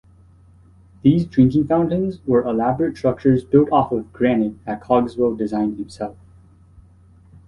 These drinking fountains were elaborate structures built of granite that Cogswell designed himself.